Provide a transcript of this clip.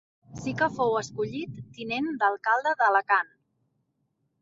Sí que fou escollit tinent d'alcalde d'Alacant.